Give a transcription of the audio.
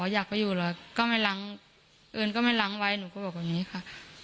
อยากไปอยู่เหรอก็ไม่ล้างเอิญก็ไม่ล้างไว้หนูก็บอกแบบนี้ค่ะ